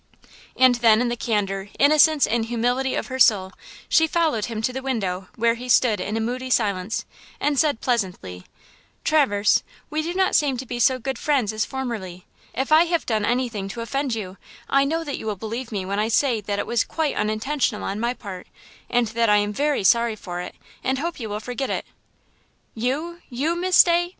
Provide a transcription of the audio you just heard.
And then in the candor, innocence and humility of her soul, she followed him to the window where he stood in a moody silence, and said pleasantly: "Traverse, we do not seem to be so good friends as formerly. If I have done anything to offend you, I know that you will believe me when I say that it was quite unintentional on my part and that I am very sorry for it, and hope you will forget it." "You–you–Miss Day!